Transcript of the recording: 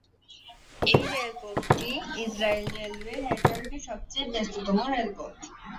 এই রেলপথটি Israel railway নেটওয়ার্কের সবচেয়ে ব্যস্ততম রেলপথ।